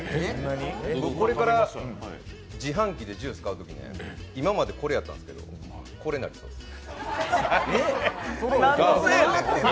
僕、これから自販機でジュース買うときね、今までこれやったんですけどこれになりそうです。